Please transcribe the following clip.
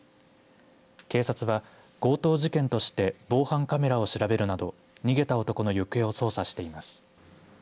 警察は強盗事件として防犯カメラを調べるなど逃げた男の行方を捜査しています。